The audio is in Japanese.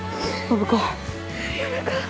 暢子。